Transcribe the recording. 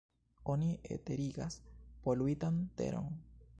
Oni enterigas poluitan teron.